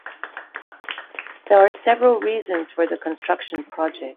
There are several reasons for the construction project.